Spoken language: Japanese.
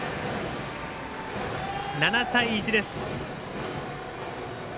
７対１です。